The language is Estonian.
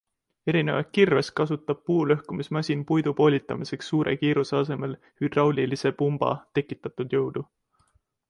Erinevalt kirvest kasutab puulõhkumismasin puidu poolitamiseks suure kiiruse asemel hüdraulilise pumba tekitatud jõudu.